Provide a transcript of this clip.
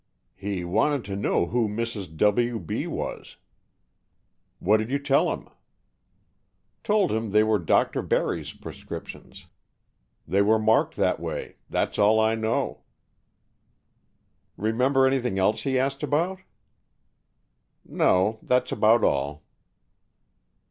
"He wanted to know who Mrs. W. B. was." "What did you tell him?" "Told him they were Dr. Barry's prescriptions. They were marked that way. That's all I know." "Remember anything else he asked about?" "No. That's about all."